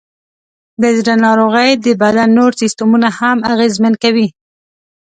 د زړه ناروغۍ د بدن نور سیستمونه هم اغېزمن کوي.